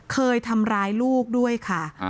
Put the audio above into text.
เคยทำร้ายลูกด้วยค่ะ